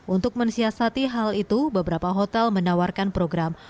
untuk mensiasati hal itu beberapa hotel menawarkan program